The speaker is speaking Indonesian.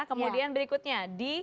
kemudian berikutnya di